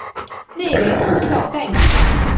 内为股票代码